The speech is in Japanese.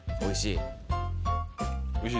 おいしい？